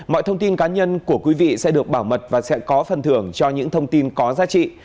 mọi thông tin cá nhân của quý vị sẽ được bảo mật và sẽ có phần thưởng cho những thông tin có giá trị